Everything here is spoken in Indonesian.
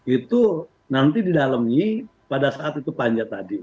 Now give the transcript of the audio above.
itu nanti di dalamnya pada saat itu panja tadi